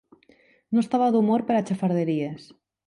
No estava d'humor per a xafarderies.